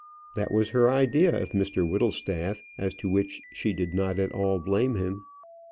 That was her idea of Mr Whittlestaff, as to which she did not at all blame him.